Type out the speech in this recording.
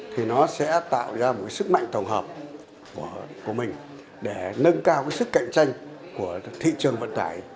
thì nó sẽ tạo ra một cái sức mạnh tổng hợp của mình để nâng cao cái sức cạnh tranh của thị trường vận tải